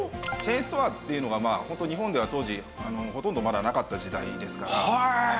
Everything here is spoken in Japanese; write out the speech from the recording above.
チェーンストアっていうのが日本では当時ほとんどまだなかった時代ですから。